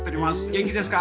元気ですか？